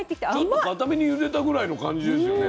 ちょっとかためにゆでたぐらいの感じですよね。